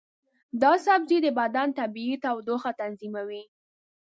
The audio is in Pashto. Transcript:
دا سبزی د بدن طبیعي تودوخه تنظیموي.